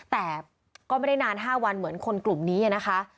แต่ก็ไม่ได้นาน๕วันเหมือนคนกลุ่มนี้นะคะ